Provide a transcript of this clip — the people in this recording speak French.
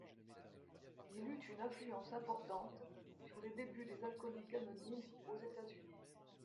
Il eut une influence importante sur les débuts des Alcooliques anonymes aux États-Unis.